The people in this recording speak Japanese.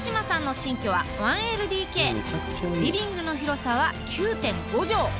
リビングの広さは９．５畳。